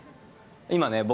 今ね僕